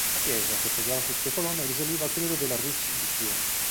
La chiesa, che poggiava su sei colonne, risaliva al periodo della Rus' di Kiev.